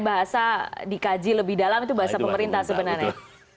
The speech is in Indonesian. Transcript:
bahasa dikaji lebih dalam itu bahasa pemerintah sebenarnya